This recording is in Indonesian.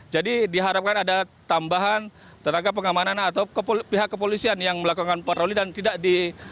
jadi diharapkan ada tambahan tenaga pengamanan atau pihak kepolisian yang melakukan patroli dan tidak dihambat